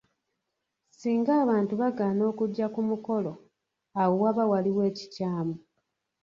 Singa abantu bagaana okujja ku mukolo awo waba waliwo ekikyamu.